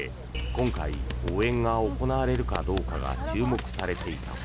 今回、応援が行われるかどうかが注目されていた。